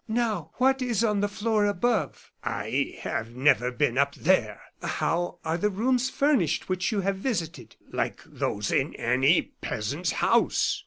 "Now, what is on the floor above?" "I have never been up there." "How are the rooms furnished which you have visited?" "Like those in any peasant's house."